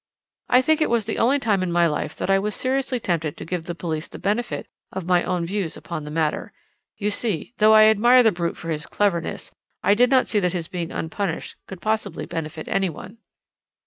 "I think it was the only time in my life that I was seriously tempted to give the police the benefit of my own views upon the matter. You see, though I admire the brute for his cleverness, I did not see that his being unpunished could possibly benefit any one.